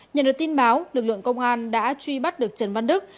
nhận được tin báo lực lượng công an đã truy bắt được trần văn đức